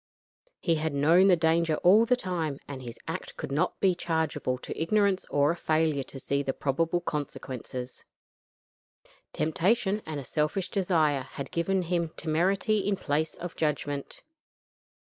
He had known the danger all the time, and his act could not be chargeable to ignorance or a failure to see the probable consequences. Temptation, and selfish desire, had given him temerity in place of judgment.